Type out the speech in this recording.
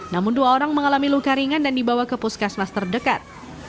namun dua orang mengalami luka ringan dan dibawa ke puskesmas terdekat